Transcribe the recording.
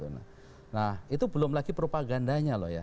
nah itu belum lagi propagandanya loh ya